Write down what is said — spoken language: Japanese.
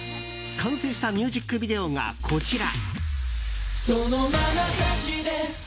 完成したミュージックビデオがこちら。